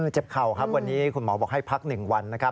เข่าครับวันนี้คุณหมอบอกให้พัก๑วันนะครับ